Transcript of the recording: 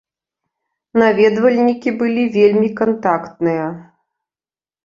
Наведвальнікі былі вельмі кантактныя.